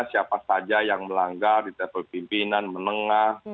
siapa saja yang melanggar di level pimpinan menengah